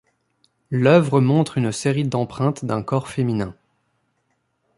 L'œuvre montre une série d'empreintes d'un corps féminin.